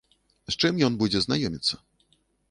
З чым ён будзе знаёміцца?